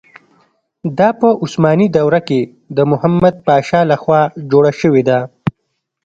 دا په عثماني دوره کې د محمد پاشا له خوا جوړه شوې ده.